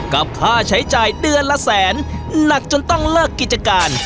กับค่าใช้จ่ายเดือนละแสนหนักจนต้องเลิกกิจการ